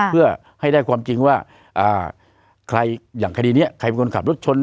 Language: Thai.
เพื่อให้ได้ความจริงว่าใครอย่างคดีนี้ใครเป็นคนขับรถชน